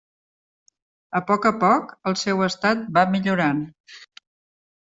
A poc a poc, el seu estat va millorant.